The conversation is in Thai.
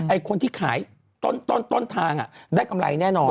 คนที่ขายต้นทางได้กำไรแน่นอน